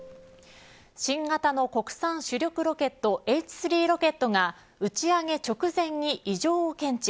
新型の国産主力ロケットＨ３ロケットが打ち上げ直前に異常を検知。